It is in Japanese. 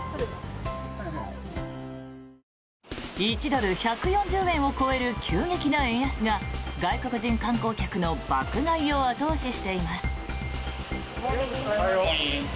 １ドル＝１４０円を超える急激な円安が外国人観光客の爆買いを後押ししています。